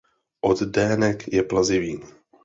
Oddenek je plazivý.